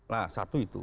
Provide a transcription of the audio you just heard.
nah satu itu